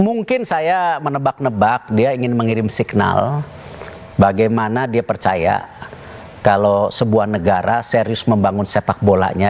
mungkin saya menebak nebak dia ingin mengirim signal bagaimana dia percaya kalau sebuah negara serius membangun sepak bolanya